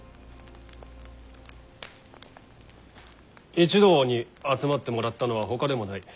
一同に集まってもらったのはほかでもない。